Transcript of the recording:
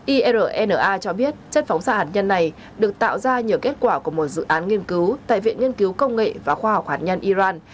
irna cho biết chất phóng xạ hạt nhân này được tạo ra nhờ kết quả của một dự án nghiên cứu tại viện nghiên cứu công nghệ và khoa học hạt nhân iran